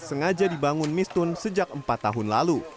sengaja dibangun mistun sejak empat tahun lalu